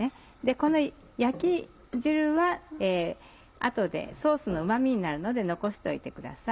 この焼き汁は後でソースのうま味になるので残しておいてください。